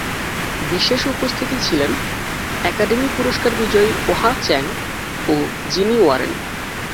বিশেষ উপস্থিতি ছিলেন একাডেমি পুরস্কার বিজয়ী ওয়াহ চ্যাং ও জিনি ওয়ারেন।